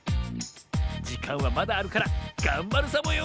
じかんはまだあるからがんばるサボよ